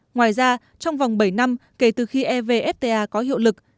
ngoài ra trong vòng bảy năm kể từ khi evfta có hiệu lực